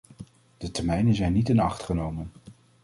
De termijnen zijn niet in acht genomen.